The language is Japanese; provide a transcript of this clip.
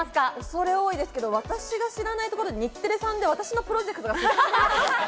恐れ多いですけど、私が知らないところで、日テレさんで私のプロジェクトが進んでるのか。